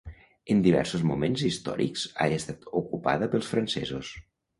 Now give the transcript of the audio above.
En diversos moments històrics ha estat ocupada pels francesos.